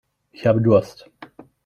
Ich habe Durst.